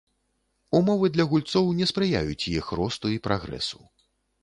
Умовы для гульцоў не спрыяюць іх росту і прагрэсу.